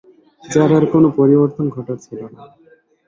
যার আর কোনো পরিবর্তন ঘটার ছিল না।